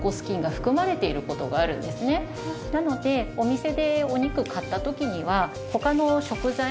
なのでお店でお肉買った時には。